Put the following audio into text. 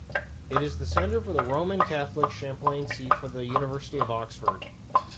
It is the centre for the Roman Catholic chaplaincy for the University of Oxford.